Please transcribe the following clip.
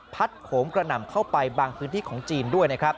โขงกระหน่ำเข้าไปบางพื้นที่ของจีนด้วยนะครับ